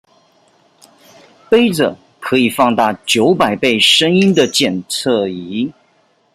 揹著可以放大九百倍聲音的檢測儀